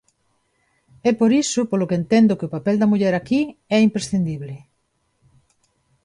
É por iso polo que entendo que o papel da muller, aquí, é imprescindible.